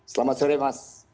selamat sore mas